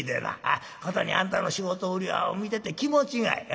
ことにあんたの仕事ぶりは見てて気持ちがええ。